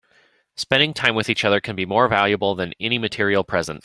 Spending time with each other can be more valuable than any material present.